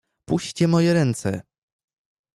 "Puśćcie moje ręce!"